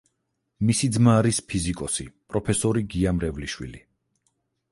მისი ძმა არის ფიზიკოსი, პროფესორი გია მრევლიშვილი.